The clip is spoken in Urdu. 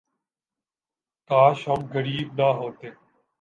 کاش ہم غریب نہ ہوتے